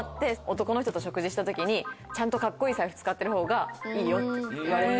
男の人と食事した時にちゃんとカッコいい財布使ってるほうがいいよって言われて。